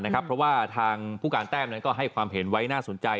เพราะว่าทางผู้การแต้มนั้นก็ให้ความเห็นไว้น่าสนใจ